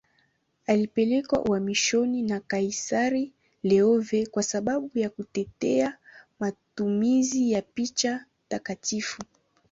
Alipelekwa uhamishoni na kaisari Leo V kwa sababu ya kutetea matumizi ya picha takatifu.